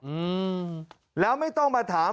อืมแล้วไม่ต้องมาถาม